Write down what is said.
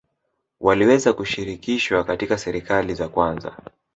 Waliweza kushirikishwa katika serikali za kwanza